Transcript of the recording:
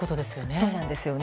そうなんですよね。